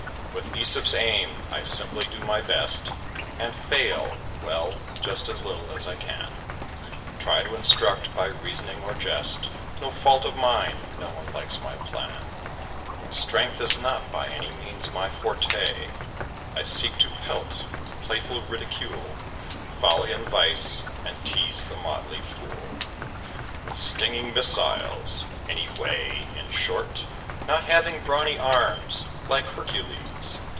With Æsop's aim, I simply do my best; And fail well, just as little as I can. Try to instruct by reasoning or jest; No fault of mine if no one likes my plan. Rude strength is not by any means my forte; I seek to pelt, with playful ridicule, Folly and vice; and tease the motley fool With stinging missiles any way, in short; Not having brawny arms, like Hercules.